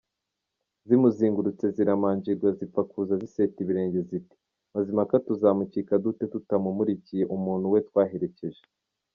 Zimuzigurutse; ziramanjirwa; zipfa kuza ziseta ibirenge ziti "Mazimpaka tuzamukika dute tutamumurikiye umuntu we twaherekeje.